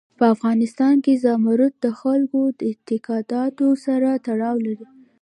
په افغانستان کې زمرد د خلکو د اعتقاداتو سره تړاو لري.